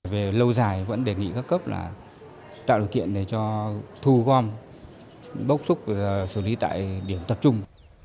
về lâu dài vẫn đề nghị các cấp là tạo điều kiện để cho thu gom bốc xúc xử lý tại điểm tập trung